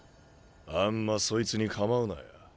あんまそいつに構うなや。